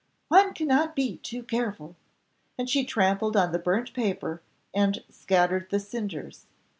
"One cannot be too careful," and she trampled on the burnt paper, and scattered the cinders.